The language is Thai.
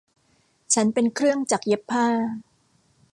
ฉันเป็นเครื่องจักรเย็บผ้า